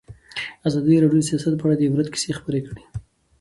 ازادي راډیو د سیاست په اړه د عبرت کیسې خبر کړي.